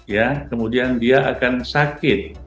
ya kemudian dia akan sakit